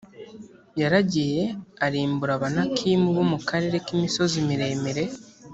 yaragiye arimbura abanakimu bo mu karere k’imisozi miremire